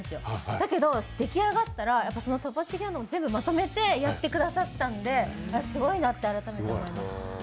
だけど、出来上がったら、突発的なものを全部まとめてやってくださったので、すごいなって、改めて思いました。